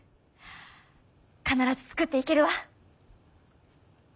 必ず作っていけるわ。